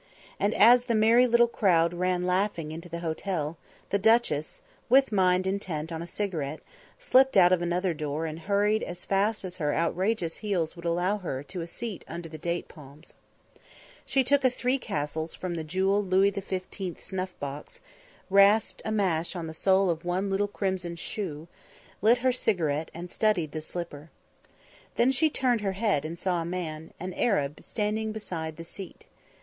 And as the merry little crowd ran laughing into the hotel, the duchess, with mind intent on a cigarette, slipped out of another door and hurried as fast as her outrageous heels would allow her to a seat under the date palms. She took a Three Castles from the jewelled Louis XV snuff box, rasped a match on the sole of one little crimson shoe, lit her cigarette, and studied the slipper. Then she turned her head and saw a man, an Arab, standing beside the seat.